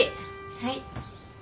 はい。